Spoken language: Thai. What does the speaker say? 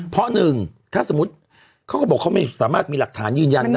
เพราะหนึ่งถ้าสมมุติเขาก็บอกเขาไม่สามารถมีหลักฐานยืนยันได้